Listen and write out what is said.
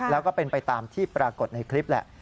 แล้วก็เป็นไปตามที่ปรากฏในคลิปแหละ